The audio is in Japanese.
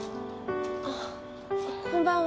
あこんばんは。